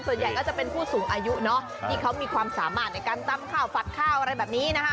ส่วนใหญ่ก็จะเป็นผู้สูงอายุเนอะที่เขามีความสามารถในการตำข้าวฝัดข้าวอะไรแบบนี้นะคะ